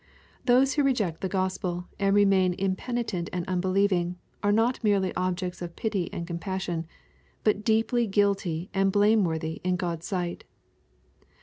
Those who reject the Gospel, and remain impenitent and unbelieving, are not merely objects of pity and compassion, but deeply guilty and blameworthy in God's sight.